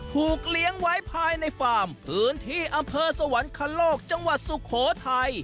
ถูกเลี้ยงไว้ภายในฟาร์มพื้นที่อำเภอสวรรคโลกจังหวัดสุโขทัย